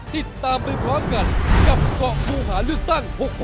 ติดตามไปพร้อมกันกับเกาะผู้หาเลือกตั้ง